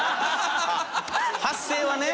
発声はね。